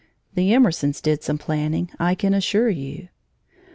The Emersons did some planning, I can assure you.